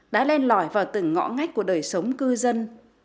đã lên lõi vào từng ngõ ngách của đời sống cư dân